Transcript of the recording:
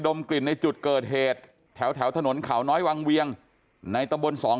กลิ่นในจุดเกิดเหตุแถวแถวถนนเขาน้อยวังเวียงในตำบลสอง